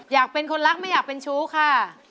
อยากเป็นคนรักไม่อยากเป็นชู้ค่ะ